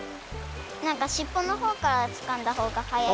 なんかしっぽのほうからつかんだほうがはやい。